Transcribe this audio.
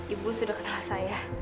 ibu sudah kenal saya